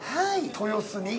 ◆豊洲に？